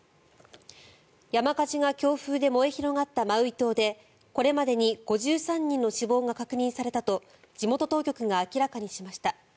山火事が強風で燃え広がったマウイ島でこれまでに５３人の死亡が確認されたと地元当局が明らかにしました。